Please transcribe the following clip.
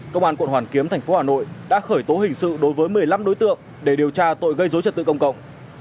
công an quận hoàn kiếm thành phố hà nội đã khởi tố hình sự đối với một mươi năm đối tượng để điều tra tội gây dối trật tự công cộng